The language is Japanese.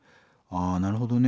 あなるほどね。